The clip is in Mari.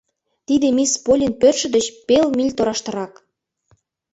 Тиде мисс Поллин пӧртшӧ деч пел миль тораштырак.